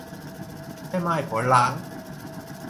แม่ม่ายผัวร้าง